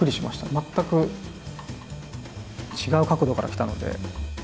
全く違う角度から来た。